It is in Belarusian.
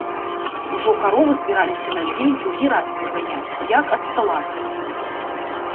Ужо каровы збіраліся на дзень другі раз выганяць, як ад стала адкаціліся.